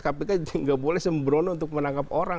kpk nggak boleh sembrono untuk menangkap orang